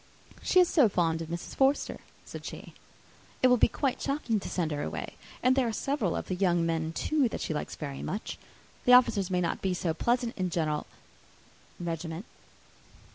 "She is so fond of Mrs. Forster," said she, "it will be quite shocking to send her away! And there are several of the young men, too, that she likes very much. The officers may not be so pleasant in General 's regiment."